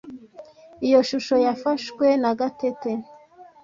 Iyo shusho yafashwe na Gatete .